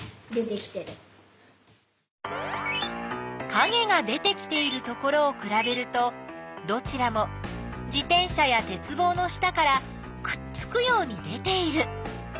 かげが出てきているところをくらべるとどちらも自転車やてつぼうの下からくっつくように出ている！